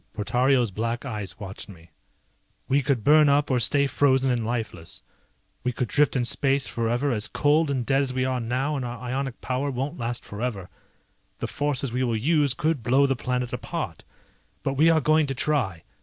Portario's black eyes watched me. "We could burn up or stay frozen and lifeless. We could drift in space forever as cold and dead as we are now and our ionic power won't last forever. The forces we will use could blow the planet apart. But we are going to try.